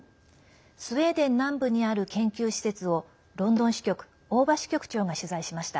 スウェーデン南部にある研究施設をロンドン支局、大庭支局長が取材しました。